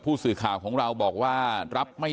ยายก็นั่งร้องไห้ลูบคลำลงศพตลอดเวลา